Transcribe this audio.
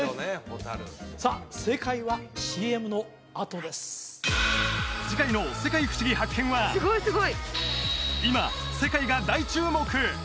ホタルさあ正解はＣＭのあとです次回の「世界ふしぎ発見！」は今世界が大注目！